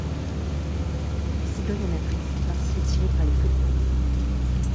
Les cigognes en Afrique sont ainsi attirées par les feux de brousse.